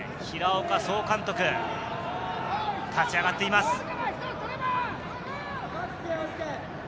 平岡総監督、立ち上がっています。